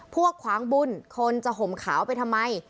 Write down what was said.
ขวางบุญคนจะห่มขาวไปทำไม